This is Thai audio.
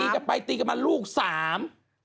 กันไปตีกันมาลูกสาม